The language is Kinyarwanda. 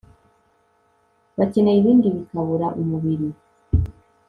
bakeneye ibindi bikabura umubiri